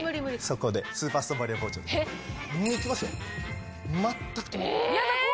そこでスーパーストーンバリア包丁。いきますよ全く止まらない。